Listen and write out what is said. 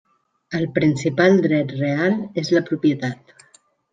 El principal dret real és la propietat.